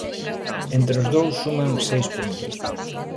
Entre os dous suman seis puntos.